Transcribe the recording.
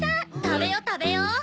食べよう食べよう。